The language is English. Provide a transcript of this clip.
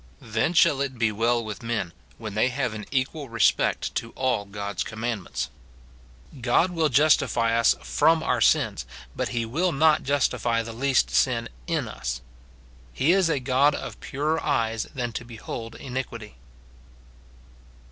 Then shall it be well with men, when they have an equal respect to all God's command ments. God will justify us from our sins, but he will not justify the least sin in us :" He is a God of purer eyes than to behold iniquity."